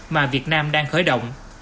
mà việt nam đang khởi động